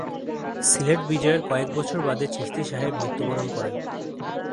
সিলেট বিজয়ের কয়েক বছর বাদে চিশতী সাহেব মৃত্যুবরণ করেন।